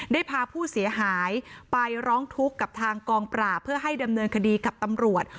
ได้พาผู้เสียหายไปร้องทุกข์กับทางกองปราบเพื่อให้ดำเนินคดีกับตำรวจ